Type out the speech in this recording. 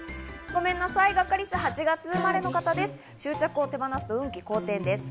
ごめんなさい、ガッカりすは８月生まれの方です。